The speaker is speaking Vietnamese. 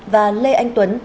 và lê anh tuấn